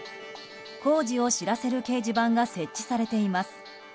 工事を知らせる掲示板が設置されています。